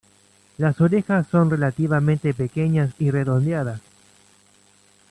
Las orejas son relativamente pequeñas y redondeadas.